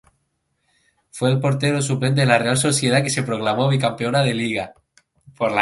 Fue el portero suplente de la Real Sociedad que se proclamó bicampeona de Liga.